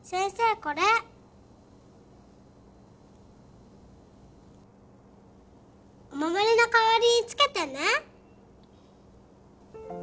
これお守りの代わりにつけてね